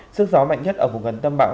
sức gió mạnh nhất ở vùng gần tâm bão